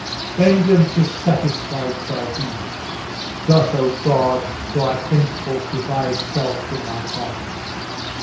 "Vengeance is satisfied," cried he; "thus, O God! do I henceforth divide self from my heart!"